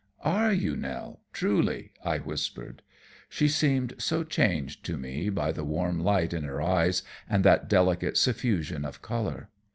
"Are you, Nell, truly?" I whispered. She seemed so changed to me by the warm light in her eyes and that delicate suffusion of color.